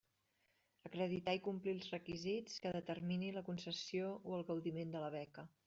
Acreditar i complir els requisits que determini la concessió o el gaudiment de la beca.